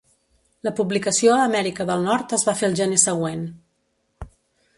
La publicació a Amèrica del Nord es va fer el gener següent.